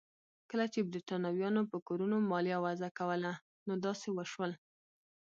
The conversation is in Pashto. کله چې برېټانویانو په کورونو مالیه وضع کوله نو داسې وشول.